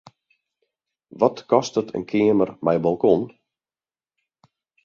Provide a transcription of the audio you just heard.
Wat kostet in keamer mei balkon?